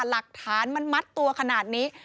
หลักฐานมันมัดตัวขนาดนี้